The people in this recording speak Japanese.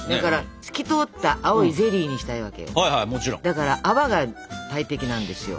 だから泡が大敵なんですよ。